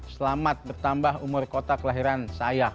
selamat bertambah umur kota kelahiran saya